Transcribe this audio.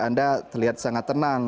anda terlihat sangat tenang